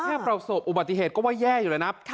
ประสบอุบัติเหตุก็ว่าแย่อยู่แล้วนะ